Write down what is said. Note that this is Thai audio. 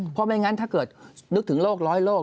เพราะไม่งั้นถ้าเกิดนึกถึงโรคร้อยโลก